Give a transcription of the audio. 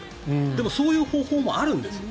でもそういう方法もあるんです。